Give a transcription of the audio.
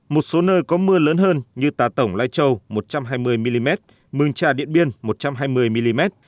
một số nơi có mưa lớn hơn như tà tổng lai châu một trăm hai mươi mm mường trà điện biên một trăm hai mươi mm